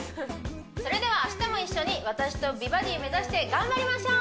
それでは明日も一緒に私と美バディ目指して頑張りましょう！